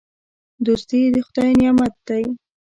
دوستي د خدای نعمت دی.